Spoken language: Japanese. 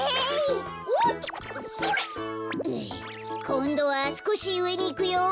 こんどはすこしうえにいくよ。